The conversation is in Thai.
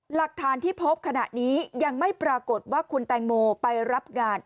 หลักฐานที่พบขณะนี้ยังไม่ปรากฏว่าคุณแตงโมไปรับงาน